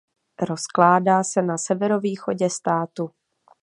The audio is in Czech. Rozkládá se na severovýchodě státu.